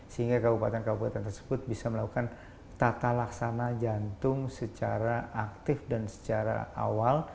sehingga kabupaten kabupaten tersebut bisa melakukan tata laksana jantung secara aktif dan secara awal